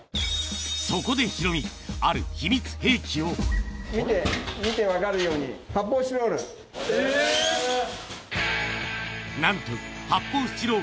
そこでヒロミ、ある秘密兵器見て分かるように、発泡スチえー！